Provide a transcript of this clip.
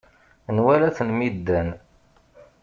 Nwala-ten mi ddan.